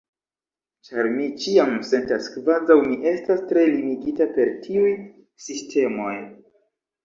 ĉar mi ĉiam sentas kvazaŭ mi estas tre limigita per tiuj sistemoj